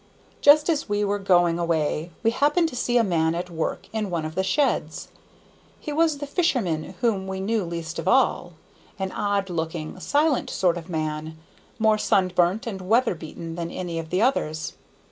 Just as we were going away we happened to see a man at work in one of the sheds. He was the fisherman whom we knew least of all; an odd looking, silent sort of man, more sunburnt and weather beaten than any of the others.